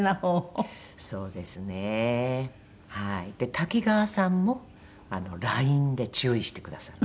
多岐川さんもＬＩＮＥで注意してくださるんです。